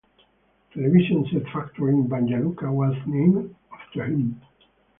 A television set factory in Banja Luka was named after him.